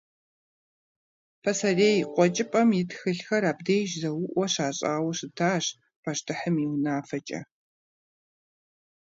Пасэрей къуэкӏыпӏэм и тхылъхэр абдеж зэуӏуэ щащӏауэ щытащ пащтыхьым и унафэкӏэ.